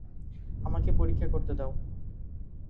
আমাকে পরীক্ষা করতে দাও।